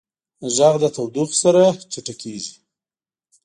غږ د تودوخې سره چټکېږي.